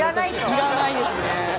要らないですね。